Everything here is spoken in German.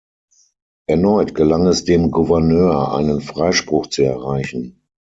Erneut gelang es dem Gouverneur einen Freispruch zu erreichen.